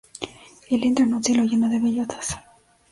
Él entra en un cielo lleno de bellotas.